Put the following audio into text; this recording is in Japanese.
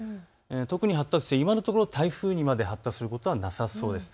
特に発達して今のところ台風にまで発達することはなさそうです。